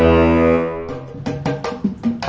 masa mainnya ular tangga